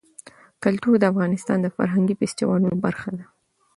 کلتور د افغانستان د فرهنګي فستیوالونو برخه ده.